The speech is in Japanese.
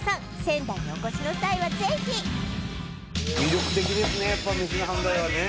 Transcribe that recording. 仙台にお越しの際はぜひ魅力的ですね